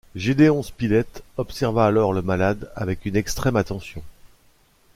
Gédéon Spilett observa alors le malade avec une extrême attention